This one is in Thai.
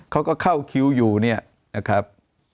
เขาก็เข้าคิวอยู่เนี่ยนะครับ